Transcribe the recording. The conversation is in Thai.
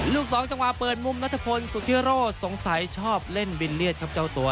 ลูกสองจังหวะเปิดมุมนัทพลสุธิโร่สงสัยชอบเล่นบิลเลียสครับเจ้าตัว